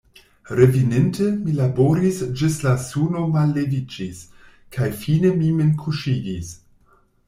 Reveninte, mi laboris ĝis la suno malleviĝis, kaj fine mi min kuŝigis.